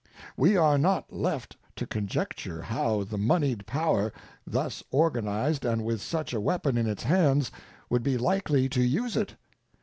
We are not left to conjecture how the moneyed power, thus organized and with such a weapon in its hands, would be likely to use it.